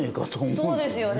そうですよね。